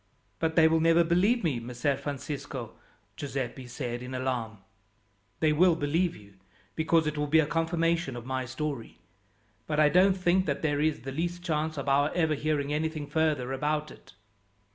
"But they will never believe me, Messer Francisco," Giuseppi said in alarm. "They will believe you, because it will be a confirmation of my story; but I don't think that there is the least chance of our ever hearing anything further about it."